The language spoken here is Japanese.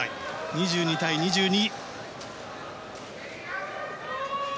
２２対２２。